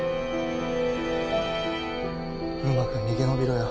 うまく逃げ延びろよ。